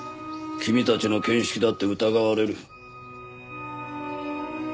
君たちの見識だって疑われる。